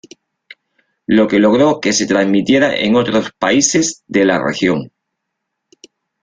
Lo que logró que se transmitiera en otros países de la región.